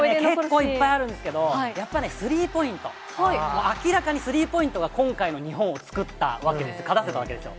結構いっぱいあるんですけど、やっぱりスリーポイント、明らかにスリーポイントが今回の日本を作ったわけです、勝たせたわけですよ。